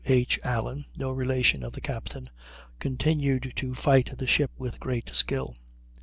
H. Allen (no relation of the captain), continued to fight the ship with great skill.